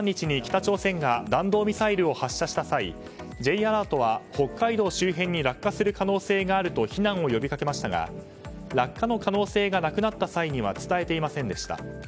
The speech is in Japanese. １３日に北朝鮮が弾道ミサイルを発射した際、Ｊアラートは北海道周辺に落下する可能性があると避難を呼びかけましたが落下の可能性がなくなった際には伝えていませんでした。